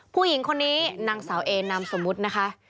ผู้หญิงคนนี้นางสาวเอนามสมมุตินะคะ